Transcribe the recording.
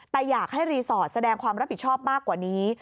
แต่อยากให้รีสอร์ทแสดงความรับผิดชอบมากกว่านี้